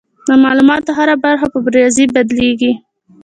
د معلوماتو هره برخه په ریاضي بدلېږي.